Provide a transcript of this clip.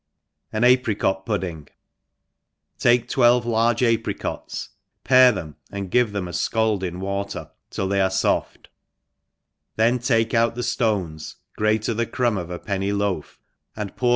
I m An Apricot Pudding. * TAKE twelve large apricots, pare them, and give them a fcald in w«er, till they are foft; then take out the Dones^ grate the crumb of a ptntij loaf, and p5)ur o.